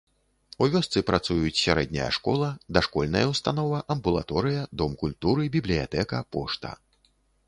У вёсцы працуюць сярэдняя школа, дашкольная ўстанова, амбулаторыя, дом культуры, бібліятэка, пошта.